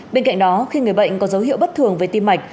bên cạnh đó khi người bệnh có dấu hiệu bất thường về tim mạch